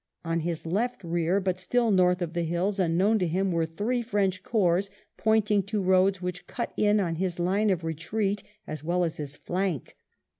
On his left rear, but still north of the hills, unknown to him, were three French corps, pointing to roads which cut in on his line of retreat as well as his flank.